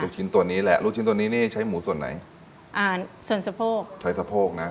ชิ้นตัวนี้แหละลูกชิ้นตัวนี้นี่ใช้หมูส่วนไหนอ่าส่วนสะโพกใช้สะโพกนะ